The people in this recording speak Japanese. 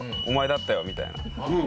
「お前だったよ」みたいなＭＶＰ？